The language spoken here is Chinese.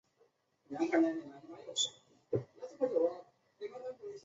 布拉西兰迪亚德米纳斯是巴西米纳斯吉拉斯州的一个市镇。